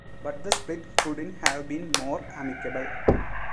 But the split couldn't have been more amicable.